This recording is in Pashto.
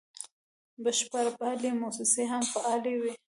بشرپالې موسسې هم فعالې وې.